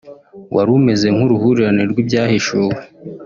wari umeze nk’uruhurirane rw’ibyahishuwe